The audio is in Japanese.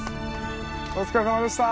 お疲れさまでした！